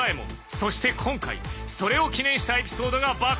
そして今回それを記念したエピソードが爆誕だ！